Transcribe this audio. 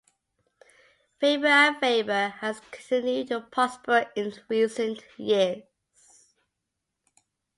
Faber and Faber has continued to prosper in recent years.